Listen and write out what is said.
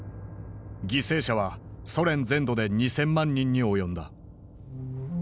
犠牲者はソ連全土で２，０００万人に及んだ。